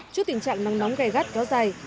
trước tình trạng nắng nóng gây gắt kéo dày